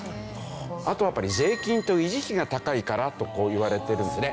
あとはやっぱり税金と維持費が高いからといわれてるんですね。